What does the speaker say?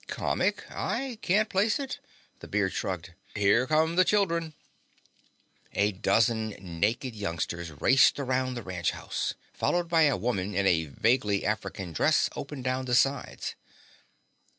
"Comic, I can't place it." The beard shrugged. "Here come the children." A dozen naked youngsters raced around the ranch house, followed by a woman in a vaguely African dress open down the sides.